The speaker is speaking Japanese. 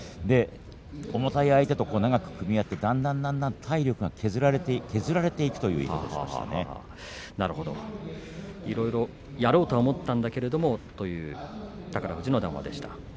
重たい相手と長く組み合ってだんだんだんだん体力が削られていくという言い方をしていろいろとやろうと思ったんだけれどもという宝富士の談話でした。